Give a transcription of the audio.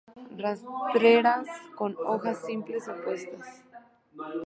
Rastreras con hojas simples, opuestas.